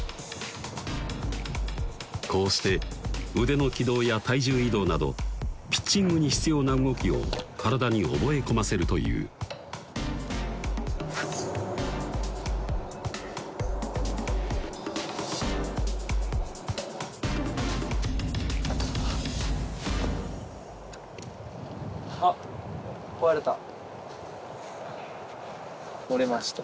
こうして腕の軌道や体重移動などピッチングに必要な動きを体に覚え込ませるというあっフフフッ！